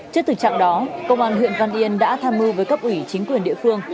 trước thực trạng đó công an huyện văn yên đã tham mưu với cấp ủy chính quyền địa phương